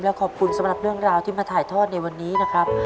ขอบคุณสำหรับเรื่องราวที่มาถ่ายทอดในวันนี้นะครับ